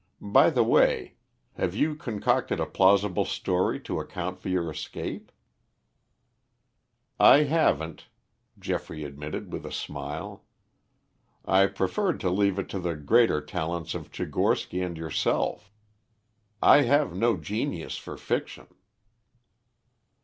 By the way, have you concocted a plausible story to account for your escape?" "I haven't," Geoffrey admitted with a smile. "I preferred to leave it to the greater talents of Tchigorsky and yourself. I have no genius for fiction."